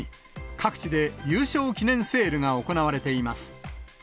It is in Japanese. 各地で優勝記念セールが行われています。